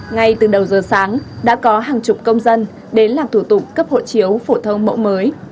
ngay từ đầu giờ sáng đã có hàng chục công dân đến làm thủ tục cấp hộ chiếu phổ thông mẫu mới